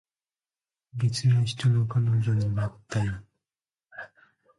別の人の彼女になったよ